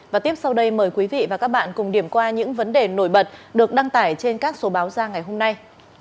và tiếp sau đây mời quý vị và các bạn cùng điểm qua những vấn đề nổi bật được đăng tải trên các số báo ra ngày hôm nay